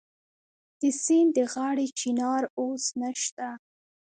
د سیند د غاړې چنار اوس نشته